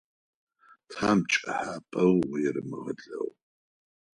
Тхьам пкӏыхьапӏэу уерэмыгъэлъэгъу.